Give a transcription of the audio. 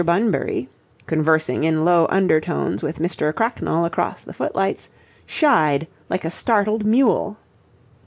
Bunbury, conversing in low undertones with Mr. Cracknell across the footlights, shied like a startled mule.